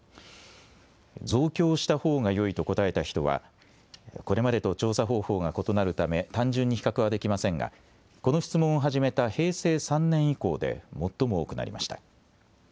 増強したほうがよいと答えた人はこれまでと調査方法が異なるため単純に比較はできませんがこの質問を始めた平成３年以降で最も多くなりました。